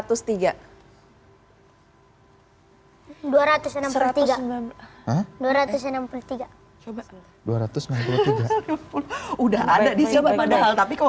udah ada di sini padahal tapi kok nggak